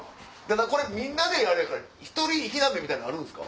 これみんなであれやから１人火鍋みたいのあるんすか？